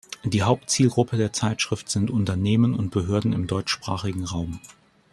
Die Hauptzielgruppe der Zeitschrift sind Unternehmen und Behörden im deutschsprachigen Raum.